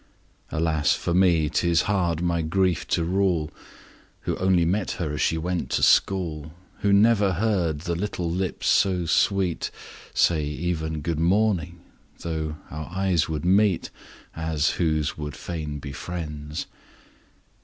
Alas, for me 'tis hard my grief to rule, Who only met her as she went to school; Who never heard the little lips so sweet 5 Say even 'Good morning,' though our eyes would meet As whose would fain be friends!